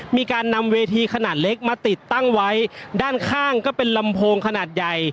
มีการนำเวทีขนาดเล็กมาติดตั้งไว้ด้านข้างก็เป็นลำโพงขนาดใหญ่